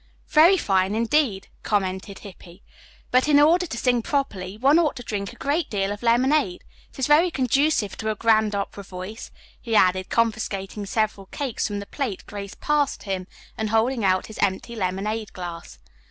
"Very fine, indeed," commented Hippy, "but in order to sing properly one ought to drink a great deal of lemonade. It is very conducive to a grand opera voice," he added, confiscating several cakes from the plate Grace passed to him and holding out his empty lemonade glass.